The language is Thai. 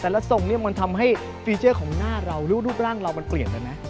ทรงเนี่ยมันทำให้ฟีเจอร์ของหน้าเราหรือรูปร่างเรามันเปลี่ยนไปไหม